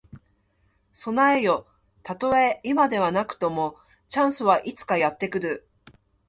備えよ。たとえ今ではなくとも、チャンスはいつかやって来る。